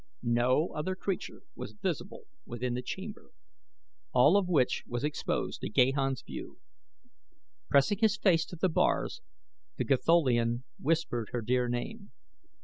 No other creature was visible within the chamber, all of which was exposed to Gahan's view. Pressing his face to the bars the Gatholian whispered her dear name.